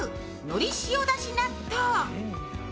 のり塩だし納豆。